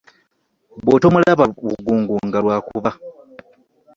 Bw'otomulaba bugungu nga lw'akuba .